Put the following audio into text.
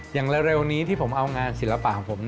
อย่างเร็วนี้ที่ผมเอางานศิลปะของผม